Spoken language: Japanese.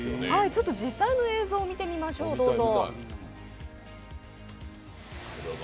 実際の映像を見てみましょう、どうぞ。